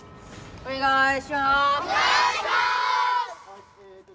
お願いします！